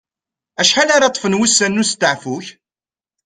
Acḥal ara ṭṭfen wussan n usteɛfu-k?